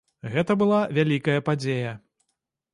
Гэта была вялікая падзея.